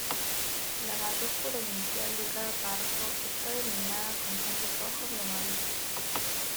La mayúscula inicial de cada párrafo está delineada con puntos rojos y amarillos.